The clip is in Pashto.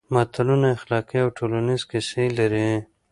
متلونه اخلاقي او ټولنیزې کیسې لري